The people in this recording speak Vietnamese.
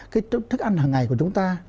cái thức ăn hằng ngày của chúng ta